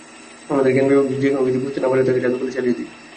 আমাদের জ্ঞান-বিবেক যে কোন কিছু বুঝতে পারে না তাকে জাদু বলে চালিয়ে দেই।